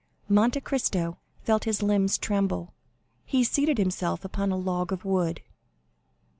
Monte Cristo felt his limbs tremble; he seated himself upon a log of wood.